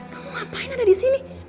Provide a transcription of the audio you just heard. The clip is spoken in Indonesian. kamu ngapain ada disini